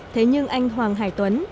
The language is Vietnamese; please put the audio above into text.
thế nhưng anh hoàng hải tuấn